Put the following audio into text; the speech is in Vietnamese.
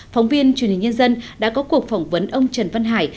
phóng viên chủ nhật nhân dân đã có cuộc phỏng vấn ông trần văn hải